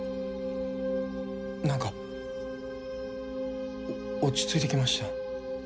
何か落ち着いてきました